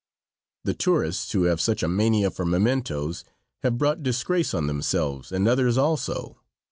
The tourists who have such a mania for mementos have brought disgrace on themselves and others also.